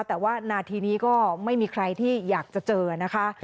แต่ว่านาทีนี้ก็ไม่มีใครที่อยากจะเจอนะคะ